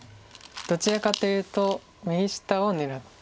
どちらかというと右下を狙ってます。